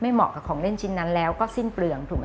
เหมาะกับของเล่นชิ้นนั้นแล้วก็สิ้นเปลืองถูกไหม